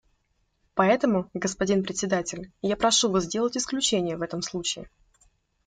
Поэтому, господин Председатель, я прошу Вас сделать исключение в этом случае.